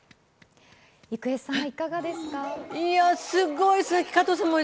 郁恵さん、いかがですか？